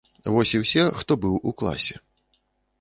Вось і ўсе, хто быў у класе.